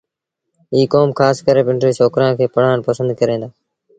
ايٚ ڪوم کآس ڪري پنڊري ڇوڪرآݩ کي پڙهآڻ پسند ڪريݩ دآ